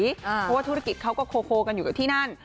เพราะว่าธุรกิจเขาก็โคกันอยู่กับที่นั่น